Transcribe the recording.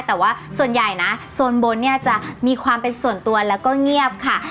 แต่ว่าส่วนใหญ่นะโซนบนเนี่ยจะมีความเป็นส่วนตัวแล้วก็เงียบค่ะ